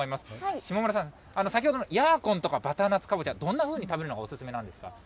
下村さん、先ほどのヤーコンとか、バターナッツかぼちゃは、どんなふうに食べるのがお勧めなんですか？